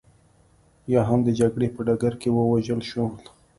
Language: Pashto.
یا هم د جګړې په ډګر کې ووژل شول